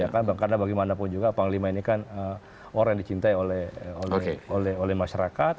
karena bagaimanapun juga panglima ini orang yang dicintai oleh masyarakat